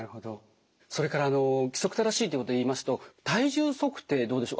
それから規則正しいということで言いますと体重測定どうでしょう。